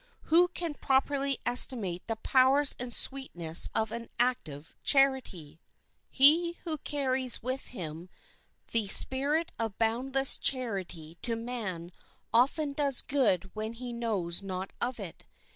Who can properly estimate the powers and sweetness of an active charity? He who carries ever with him the spirit of boundless charity to man often does good when he knows not of it.